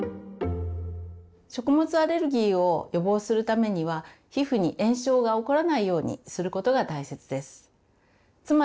食物アレルギーを予防するためには皮膚に炎症が起こらないようにすることが大切です。